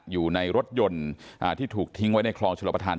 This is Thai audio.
อยู่ในรถยนต์ที่ถูกทิ้งไว้ในคลองชลประธาน